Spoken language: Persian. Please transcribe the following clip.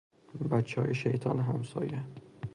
بچه های شیطان همسایه